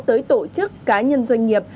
tới tổ chức cá nhân doanh nghiệp